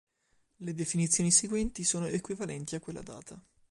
Le definizioni seguenti sono equivalenti a quella data.